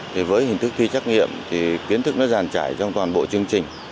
thì với hình thức thi trắc nghiệm thì kiến thức nó giàn trải trong toàn bộ chương trình